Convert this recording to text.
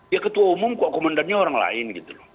ya ketua umum kok komandannya orang lain